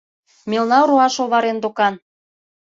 — Мелна руаш оварен докан.